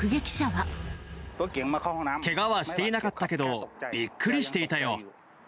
けがはしていなかったけど、びっくりしていたよ。